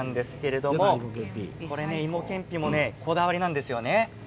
そして芋けんぴこだわりなんですよね。